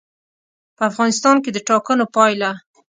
په افغانستان کې د ټاکنو پایله.